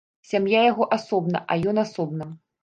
Сям'я яго асобна, а ён асобна.